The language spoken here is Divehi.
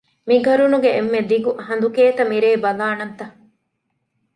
މި ގަރުނުގެ އެންމެ ދިގު ހަނދު ކޭތަ މިރޭ، ބަލާނަންތަ؟